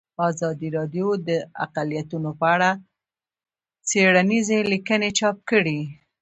ازادي راډیو د اقلیتونه په اړه څېړنیزې لیکنې چاپ کړي.